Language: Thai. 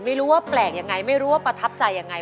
ไม่รู้ว่าแปลกยังไงไม่รู้ว่าประทับใจยังไง